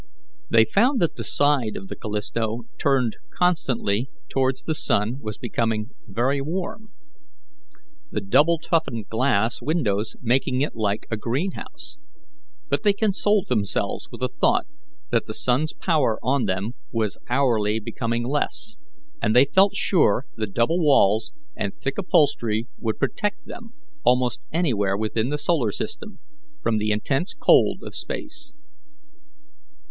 They found that the side of the Callisto turned constantly towards the sun was becoming very warm, the double toughened glass windows making it like a greenhouse; but they consoled themselves with the thought that the sun's power on them was hourly becoming less, and they felt sure the double walls and thick upholstery would protect them almost anywhere within the solar system from the intense cold of space.